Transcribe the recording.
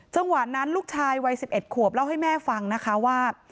จังหวะนั้นลูกชายวัย๑๑ขวบเล่าให้แม่ฟังนะคะว่า